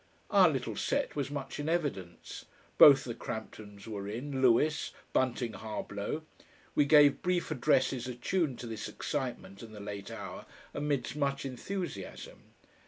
Our little set was much in evidence. Both the Cramptons were in, Lewis, Bunting Harblow. We gave brief addresses attuned to this excitement and the late hour, amidst much enthusiasm.